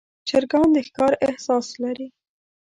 چرګان د ښکار احساس لري.